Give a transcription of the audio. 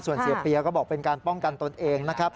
ส่วนเสียเปียก็บอกเป็นการป้องกันตนเองนะครับ